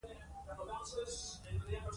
د پېډراس نېګراس او یاکسچیلان ترمنځ پراخې اړیکې وې